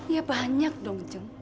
ya banyak dong ceng